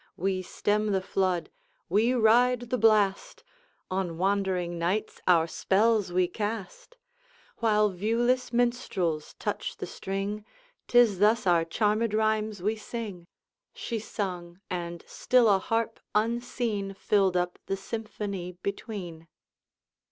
We stem the flood, we ride the blast, On wandering knights our spells we cast; While viewless minstrels touch the string, 'Tis thus our charmed rhymes we sing.' She sung, and still a harp unseen Filled up the symphony between.